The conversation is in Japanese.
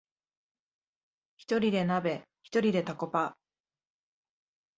ひとりで鍋、ひとりでタコパ